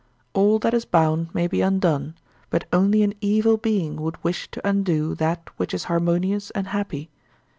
All that is bound may be undone, but only an evil being would wish to undo that which is harmonious and happy.